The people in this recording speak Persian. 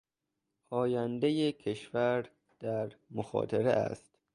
آیندهی کشور در مخاطره است.